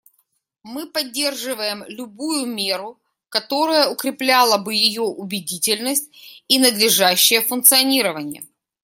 Мы поддерживаем любую меру, которая укрепляла бы ее убедительность и надлежащее функционирование.